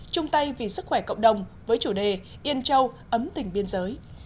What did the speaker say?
chung tay vì sức khỏe cộng đồng với chủ đề yên châu ấm tỉnh biên giới